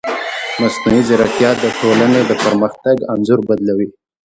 مصنوعي ځیرکتیا د ټولنې د پرمختګ انځور بدلوي.